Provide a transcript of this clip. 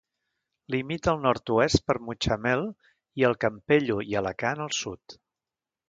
Limita al nord-oest per Mutxamel i el Campello i Alacant al sud.